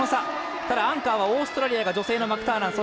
アンカーはオーストラリアが女性のマクターナン。